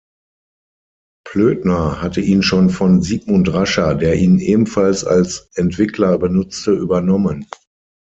Plötner hatte ihn schon von Sigmund Rascher, der ihn ebenfalls als Entwickler benutzte, übernommen.